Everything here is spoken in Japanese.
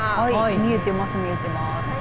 見えてます、見えてます。